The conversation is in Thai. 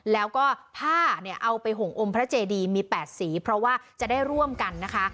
แล้วก็ผ้าเนี่ยเอาไปห่มอมพระเจดีมี๘สีเพราะว่าจะได้ร่วมกันนะคะ